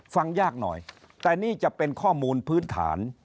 ฟังยากหน่อยแต่นี่จะเป็นข้อมูลพื้นฐาน